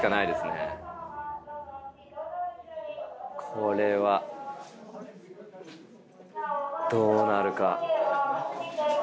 これはどうなるか。